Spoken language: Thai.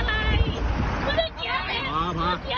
แล้วเมื่อกี้แลนด์มันอยู่ตรงเรา